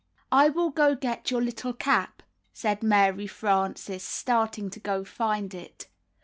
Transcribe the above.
''I will go get your little cap/' said ]\Iary Frances, starting to go find it.